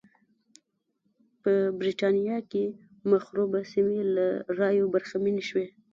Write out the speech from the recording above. په برېټانیا کې مخروبه سیمې له رایو برخمنې شوې.